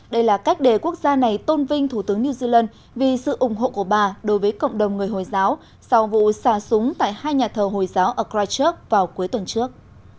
đây là cách để quốc gia này tôn vinh thủ tướng new zealand vì sự ủng hộ của bà đối với cộng đồng người hồi giáo sau vụ xà súng tại hai nhà thờ hồi giáo ở christchurch vào cuối tuần trước